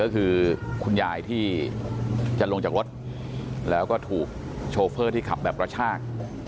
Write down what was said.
ก็คือคุณยายที่จะลงจากรถแล้วก็ถูกโชเฟอร์ที่ขับแบบกระชาก